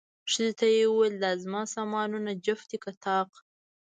ښځې ته یې وویل، دا زما سامانونه جفت دي که طاق؟